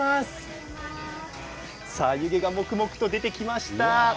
湯気がもくもくと出てきました。